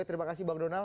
terima kasih bang donald